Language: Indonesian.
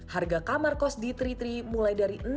harga kamar kos di tritri mulai dari enam enam juta rupiah